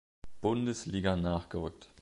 Bundesliga nachgerückt.